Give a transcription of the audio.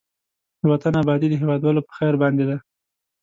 د وطن آبادي د هېوادوالو په خير باندې ده.